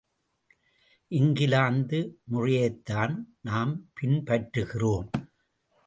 இங்கிலாந்து முறையைத்தான் நாம் பின் பற்றுகிறோம்.